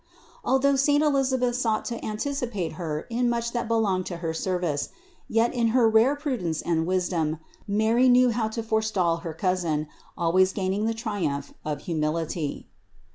Although saint Elisabeth sought to anticipate Her in much that belonged to her service, yet, in her rare prudence and wisdom, Mary knew how to forestall her cousin, always gaining the triumph of humility.